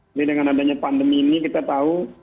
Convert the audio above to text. jadi dengan adanya pandemi ini kita tahu